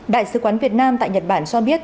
đại sứ quán việt nam tại nhật bản cho biết